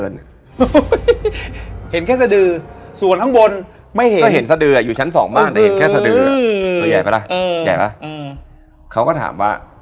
แล้วก็เป็นผู้จัดการ